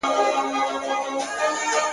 صوفي سمدستي شروع په نصیحت سو٫